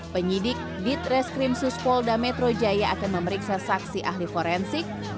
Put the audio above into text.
penyidik ditreskrim suspolda metro jaya akan memeriksa saksi ahli forensik